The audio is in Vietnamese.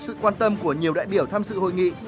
sự quan tâm của nhiều đại biểu tham dự hội nghị